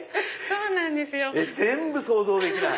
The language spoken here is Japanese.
全部想像できない！